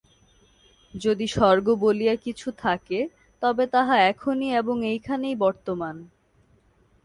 যদি স্বর্গ বলিয়া কিছু থাকে, তবে তাহা এখনই এবং এইখানেই বর্তমান।